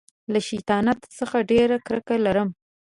له شیطانت څخه ډېره کرکه لرم.